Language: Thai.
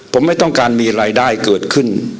ผมไม่ต้องการมีรายได้เกิดขึ้น